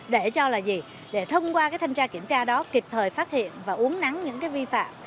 để cho là gì để thông qua thanh tra kiểm tra đó kịp thời phát hiện và uống nắng những vi phạm